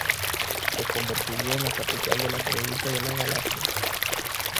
Se convertiría en la capital de la provincia de la Gallaecia.